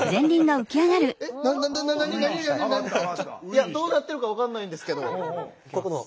いやどうなってるか分かんないんですけど。